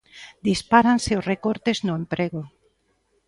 Dispáranse os recortes no emprego.